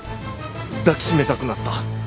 抱きしめたくなった。